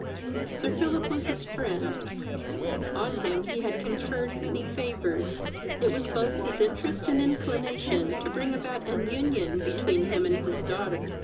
Sir Philip was his friend; on him he had conferred many favours: it was both his interest and inclination to bring about an union between him and his daughter.